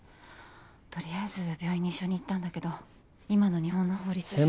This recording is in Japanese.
とりあえず病院に一緒に行ったんだけど今の日本の法律じゃ。